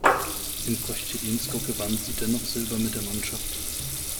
In Kościelisko gewann sie dennoch Silber mit der Mannschaft.